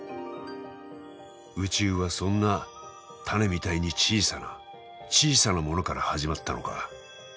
宇宙はそんな種みたいに小さな小さなものから始まったのか。